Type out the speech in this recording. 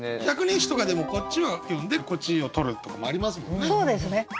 「百人一首」とかでもこっちは読んでこっちを取るとかもありますもんね。